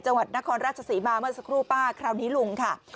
จังหวัดนครราชศรีมาเมื่อสักครู่ป้าคราวนี้ลุงค่ะ